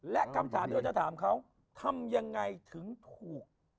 และคำถามที่เราจะถามเขาทำยังไงถึงถูก